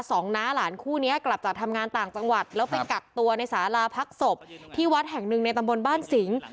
น้าหลานคู่นี้กลับจากทำงานต่างจังหวัดแล้วไปกักตัวในสาราพักศพที่วัดแห่งหนึ่งในตำบลบ้านสิง